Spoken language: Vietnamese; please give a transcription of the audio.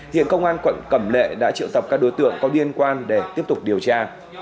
hiện công an quận cẩm lệ đã triệu tập các đối tượng có liên quan để tiếp tục điều tra